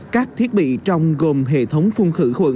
các thiết bị trong gồm hệ thống phung khử khuẩn